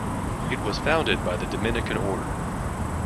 It was founded by the Dominican Order.